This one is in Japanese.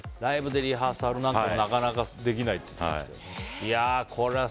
リハーサルなんかもなかなかできないって。